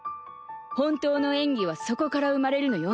本当の演技はそこから生まれるのよ。